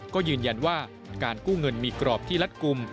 ก็ยืนยันว่าการกู้เงินมีกรอบที่รัดกลุ่ม